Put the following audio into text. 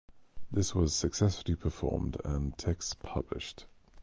This was successfully performed and the text published.